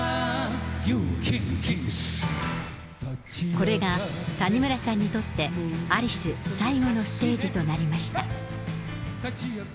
これが谷村さんにとって、アリス最後のステージとなりました。